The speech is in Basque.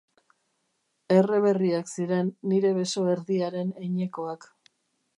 Erre berriak ziren, nire beso erdiaren heinekoak.